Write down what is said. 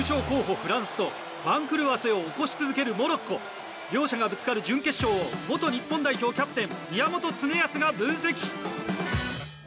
フランスと番狂わせを起こし続けるモロッコ両者がぶつかる準決勝を元日本代表キャプテン